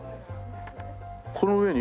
この上に？